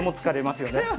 疲れますね。